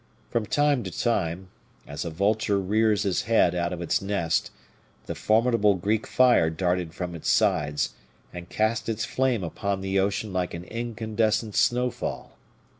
From time to time, as a vulture rears its head out of its nest, the formidable Greek fire darted from its sides, and cast its flame upon the ocean like an incandescent snowfall.